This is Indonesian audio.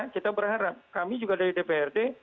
kita berharap kami juga dari dprd